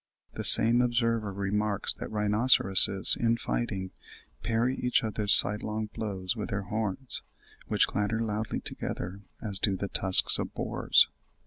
The same observer remarks that rhinoceroses in fighting, parry each other's sidelong blows with their horns, which clatter loudly together, as do the tusks of boars.